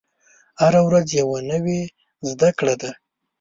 هره ورځ یوه نوې زده کړه ده.